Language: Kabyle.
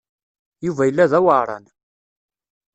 Yuba yella d aweɛṛan.